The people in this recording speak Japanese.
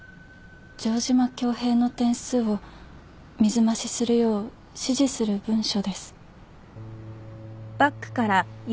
城島恭平の点数を水増しするよう指示する文書です。